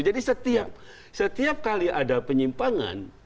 jadi setiap kali ada penyimpangan